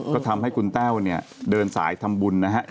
ก็ทำให้คุณแต้วเนี่ยเดินสายทำบุญนะครับ